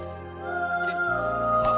はっ！